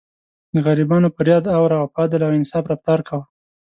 د غریبانو فریاد اوره او په عدل او انصاف رفتار کوه.